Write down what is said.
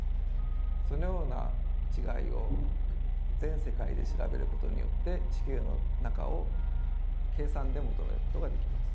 そのような違いを全世界で調べることによって地球の中を計算で求めることができます。